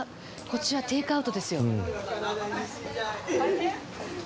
こっちはテイクアウトですよ。